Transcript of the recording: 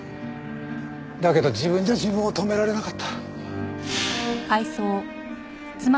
だけど自分じゃ自分を止められなかった。